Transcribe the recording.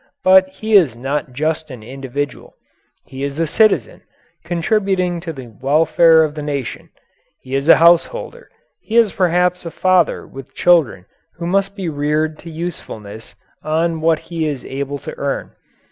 But he is not just an individual. He is a citizen, contributing to the welfare of the nation. He is a householder. He is perhaps a father with children who must be reared to usefulness on what he is able to earn.